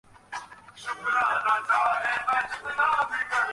তিনি দেশপ্রেমিক হিসেবে বিবেচিত হন।